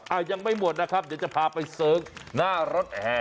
ยังไม่หมดนะครับเดี๋ยวจะพาไปเสิร์งหน้ารถแห่